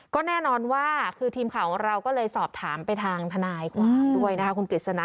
ก็แน่นอนว่าคือทีมข่าวของเราก็เลยสอบถามไปทางทนายความด้วยนะคะคุณกฤษณะ